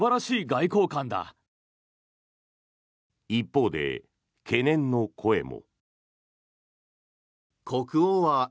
一方で、懸念の声も。